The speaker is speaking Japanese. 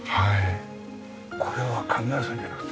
これは家具屋さんじゃなくて？